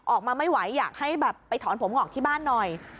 ออกมาไม่ไหวอยากให้แบบไปถอนผมออกที่บ้านหน่อย